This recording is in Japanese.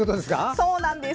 そうなんです。